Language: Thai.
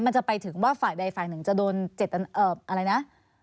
มันจะไปถึงว่าฝั่งใดฝั่งหนึ่งจะโดนเจตนาอะไรนะ